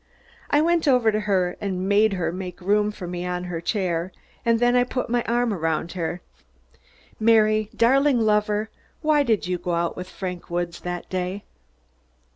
I went over to her and made her make room for me on her chair, and then I put my arms around her. "Mary, lover darling, why did you go out with Frank Woods that day?"